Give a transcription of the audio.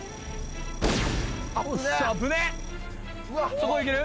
そこいける？